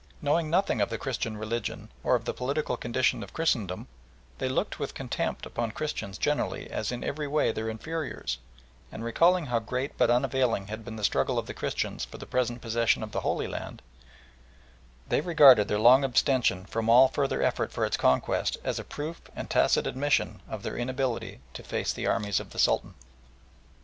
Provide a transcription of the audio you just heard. Knowing nothing of the Christian religion or of the political condition of Christendom, they looked with contempt upon Christians generally as in every way their inferiors, and recalling how great but unavailing had been the struggle of the Christians for the possession of the Holy Land, they regarded their long abstention from all further effort for its conquest, as a proof and tacit admission of their inability to face the armies of the Sultan.